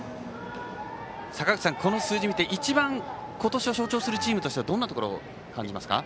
坂口さん、この数字見て一番今年を象徴するチームとしてどんなところを感じますか？